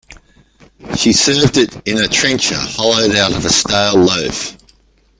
She served it in a "trencher" hollowed out of a stale loaf".